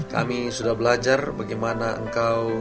kami sudah belajar bagaimana engkau